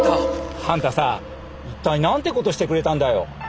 あんたさ一体なんてことしてくれたんだよ。